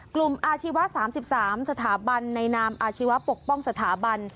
อาชีวะ๓๓สถาบันในนามอาชีวะปกป้องสถาบัน